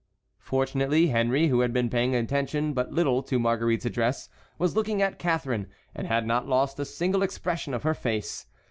Fortunately Henry, who had been paying but little attention to Marguerite's address, was looking at Catharine, and had not lost a single expression of her face.